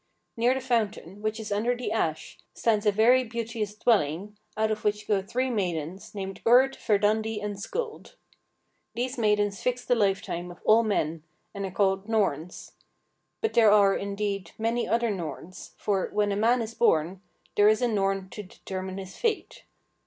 Near the fountain, which is under the ash, stands a very beauteous dwelling, out of which go three maidens, named Urd, Verdandi, and Skuld. These maidens fix the lifetime of all men, and are called Norns. But there are, indeed, many other Norns, for, when a man is born, there is a Norn to determine his fate.